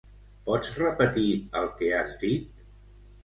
Pots repetir el que has dit?